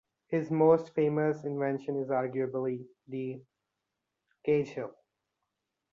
His most famous invention is arguably the "Cage Heel".